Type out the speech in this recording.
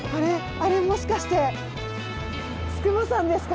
あれもしかして筑波山ですか？